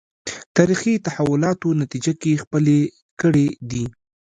تاریخي تحولاتو نتیجه کې خپلې کړې دي